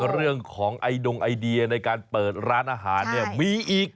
เรื่องของไอดงไอเดียในการเปิดร้านอาหารเนี่ยมีอีก